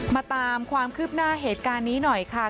มาตามความคืบหน้าเหตุการณ์นี้หน่อยค่ะ